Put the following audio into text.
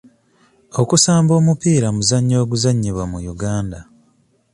Okusamba omupiira muzannyo oguzannyibwa mu Uganda.